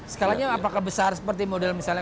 skalanya apakah besar seperti model misalnya